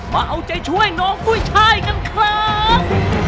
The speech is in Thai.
มาเอาใจช่วยน้องกุ้ยชายกันครับ